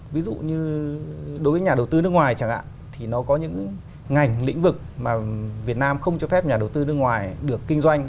ví dụ như đối với nhà đầu tư nước ngoài chẳng hạn thì nó có những ngành lĩnh vực mà việt nam không cho phép nhà đầu tư nước ngoài được kinh doanh